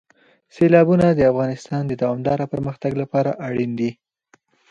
سیلابونه د افغانستان د دوامداره پرمختګ لپاره اړین دي.